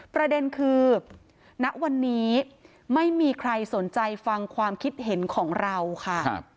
ประเด็นคือณวันนี้ไม่มีใครสนใจฟังความคิดเห็นของเราค่ะ